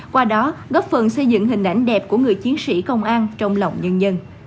qua đó góp phần xây dựng hình ảnh đẹp của người chiến sĩ công an trong lòng nhân dân